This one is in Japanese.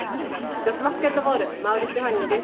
女子バスケットボール、馬瓜ステファニーです。